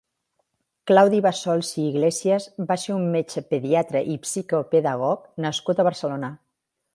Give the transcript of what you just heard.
Claudi Bassols i Iglesias va ser un metge pediatre i psicopedagog nascut a Barcelona.